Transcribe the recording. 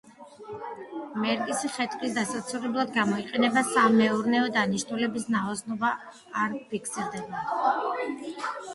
მერკისი ხე-ტყის დასაცურებლად გამოიყენება, სამეურნეო დანიშნულების ნაოსნობა არ ფიქსირდება.